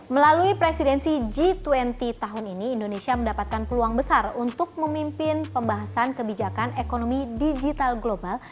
melalui presidensi g dua puluh tahun ini indonesia mendapatkan peluang besar untuk memimpin pembahasan kebijakan ekonomi digital global